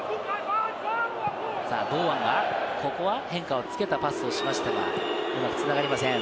堂安が、ここは変化をつけたパスをしましたが、うまく繋がりません。